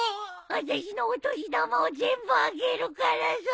あたしのお年玉を全部あげるからさ。